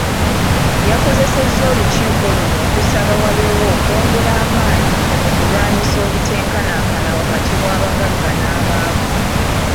Yakozesa olukiiko luno okusaba wabewo okwongera amaanyi mu kulwanyisa obutenkanakana wakati w'abagagga n'abaavu